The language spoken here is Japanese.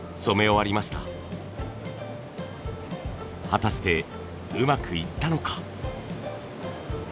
果たしてうまくいったのか？